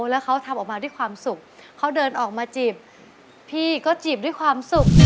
แล้วเขาทำออกมาด้วยความสุขเขาเดินออกมาจีบพี่ก็จีบด้วยความสุข